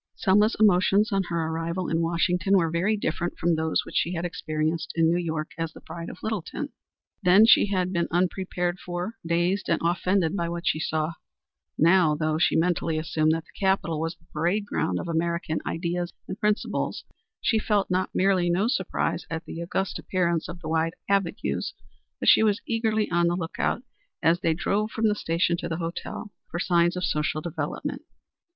Selma's emotions on her arrival in Washington were very different from those which she had experienced in New York as the bride of Littleton. Then she had been unprepared for, dazed, and offended by what she saw. Now, though she mentally assumed that the capital was the parade ground of American ideas and principles, she felt not merely no surprise at the august appearance of the wide avenues, but she was eagerly on the lookout, as they drove from the station to the hotel, for signs of social development.